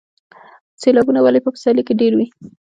سیلابونه ولې په پسرلي کې ډیر وي؟